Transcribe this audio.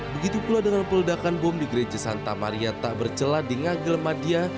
begitu pula dengan peledakan bom di gereja santa maria tak bercela di ngagel madia